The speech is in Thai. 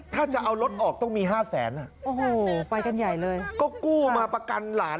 ถ้าจะเอารถออกต้องมีห้าแสงก็กู้มาประกันหลาน